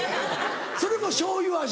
それもしょうゆ味？